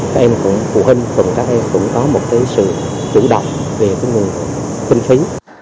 các em cũng phụ huynh phần các em cũng có một cái sự chủ động về cái nguồn kinh phí